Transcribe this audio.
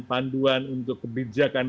panduan untuk kebijakan